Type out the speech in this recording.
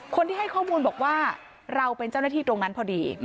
คนที่ให้ข้อมูลบอกว่าเราเป็นเจ้าหน้าที่ตรงนั้นพอดี